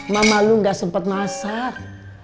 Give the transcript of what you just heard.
mama lo gak sempet masak